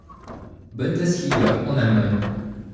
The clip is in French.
Bundesliga, en Allemagne.